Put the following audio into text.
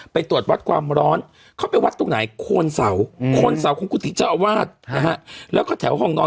ไปตรวจวัดความร้อนเขาไปวัดตรงไหนโคนเสาโคนเสาของกุฏิเจ้าอาวาสนะฮะแล้วก็แถวห้องนอน